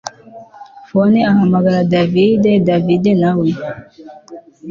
phone ahamagara david david nawe